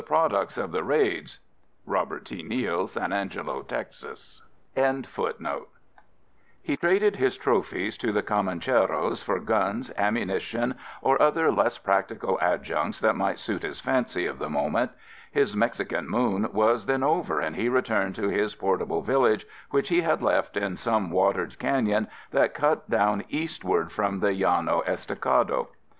He traded his trophies to the Comancheros for guns, ammunition or other less practical adjuncts that might suit his fancy of the moment. His Mexican Moon was then over and he returned to his portable village which he had left in some watered canyon that cut down eastward from the Llano Estacado.